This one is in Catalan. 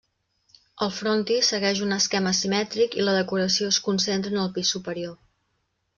El frontis segueix un esquema simètric i la decoració es concentra en el pis superior.